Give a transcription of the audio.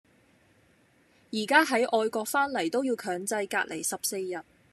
而家喺外國返嚟都要強制隔離十四日